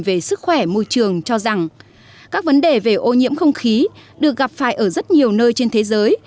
về sức khỏe môi trường cho rằng các vấn đề về ô nhiễm không khí được gặp phải ở rất nhiều nơi trên thế giới